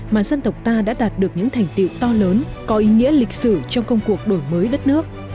mà dân tộc ta đã đạt được những thành tiệu to lớn có ý nghĩa lịch sử trong công cuộc đổi mới đất nước